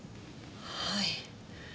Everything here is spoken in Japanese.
はい。